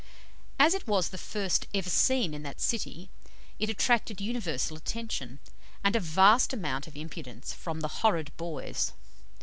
As it was the first ever seen in that city, it attracted universal attention, and a vast amount of impudence from the "horrid boys."